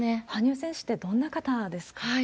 羽生選手ってどんな方ですか？